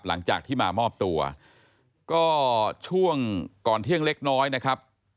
หลังจากที่มามอบตัวก็ช่วงก่อนเที่ยงเล็กน้อยนะครับ